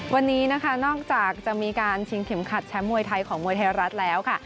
วันนี้นะคะนอกจากจะมีการชิงเข็มขัดแชมป์มวยไทยของมวยไทยรัฐแล้วค่ะ